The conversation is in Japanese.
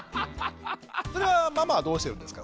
それはママはどうしてるんですか？